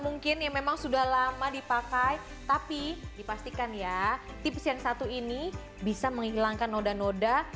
mungkin yang memang sudah lama dipakai tapi dipastikan ya tips yang satu ini bisa menghilangkan noda noda